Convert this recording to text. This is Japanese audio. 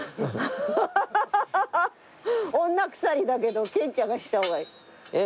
女鎖だけど健ちゃんがしたほうがいい。